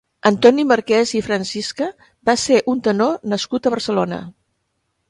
Antoni Marquès i Francisca va ser un tenor nascut a Barcelona.